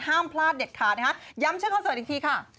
ห้ามพลาดเด็ดขาดนะคะย้ำชื่อคอนเสิร์ตอีกทีค่ะ